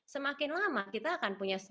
semakin lama kita akan punya